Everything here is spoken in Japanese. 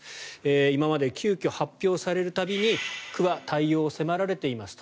今まで、急きょ発表される度に区は対応を迫られていますと。